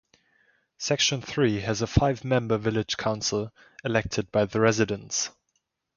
Section three has a five-member village council elected by the residents.